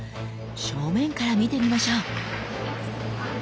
正面から見てみましょう。